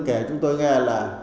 kể chúng tôi nghe là